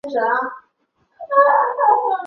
城市中有大片的绿地和宽阔的大道。